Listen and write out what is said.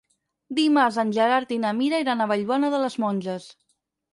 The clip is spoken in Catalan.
Dimarts en Gerard i na Mira iran a Vallbona de les Monges.